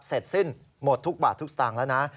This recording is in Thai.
เสร็จสิ้นหมดทุกบาททุกสตางค์แล้วนะ